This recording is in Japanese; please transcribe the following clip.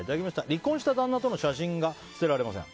離婚した旦那との写真が捨てられません。